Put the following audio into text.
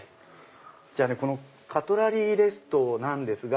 じゃあこのカトラリーレストなんですが。